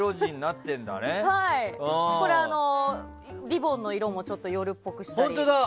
リボンの色もちょっと夜っぽくしたり。